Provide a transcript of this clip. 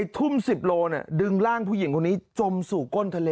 ทุ่ม๑๐โลดึงร่างผู้หญิงคนนี้จมสู่ก้นทะเล